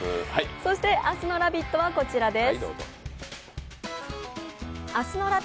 そして明日の「ラヴィット！」はこちらです。